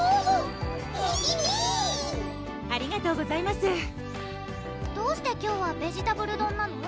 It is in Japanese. ピピピーありがとうございますどうして今日はベジタブル丼なの？